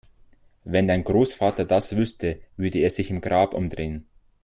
Wenn dein Großvater das wüsste, würde er sich im Grab umdrehen!